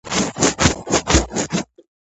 აღიზარდა ირანში, შაჰის კარზე.